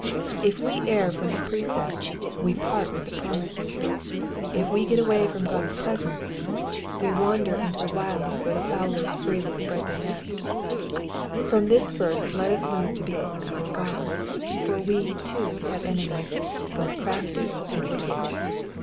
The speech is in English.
If we err from the precepts, we part with the promises ; if we get away from God's presence, we wander into the wilds where the Digitized by VjOOQIC 246 EXPOsmoKS op the psalms. fowlers freely spread their nets. Prom this verse let us learn to be on our guard, for we, too, have enemies both crafty and wicked.